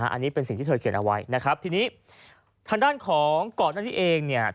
อันนี้เป็นสิ่งที่เธอเขียนเอาไว้นะครับทีนี้ทางด้านของก่อนหน้านี้เองเนี่ย